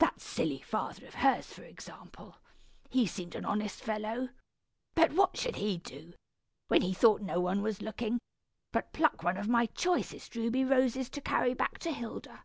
That silly father of hers, for example! He seemed an honest fellow, but what should he do, when he thought no one was looking, but pluck one of my choicest ruby roses to carry back to Hilda.